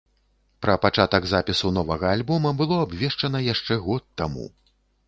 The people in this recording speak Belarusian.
Пра пачатак запісу новага альбома было абвешчана яшчэ год таму.